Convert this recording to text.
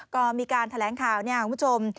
ก็มีการแถลงข่าวเนี่ยคุณผู้ชม